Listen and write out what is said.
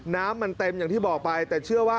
น้ำมันเต็มอย่างที่บอกไปแต่เชื่อว่า